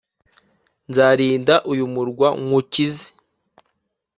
Nzarinda uyu murwa nywukize,